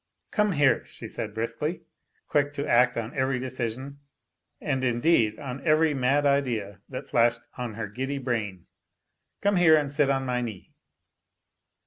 " Come here," she said briskly, quick to act on every decision, and, indeed, on every mad idea that flashed on her giddy brain, " come here, and sit on my knee."